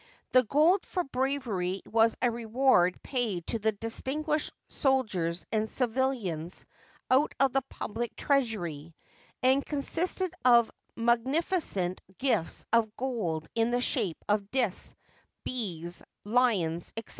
The "gold for brav ery '* was a reward paid to distinguished soldiers and civil ians out of thepubhc treasury, and consisted of munificent g^fts of gold in the shape of disks, bees, lions, etc.